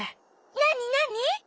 なになに？